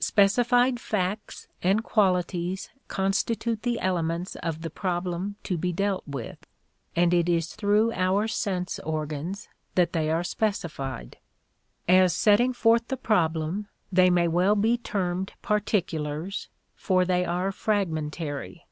Specified facts and qualities constitute the elements of the problem to be dealt with, and it is through our sense organs that they are specified. As setting forth the problem, they may well be termed particulars, for they are fragmentary.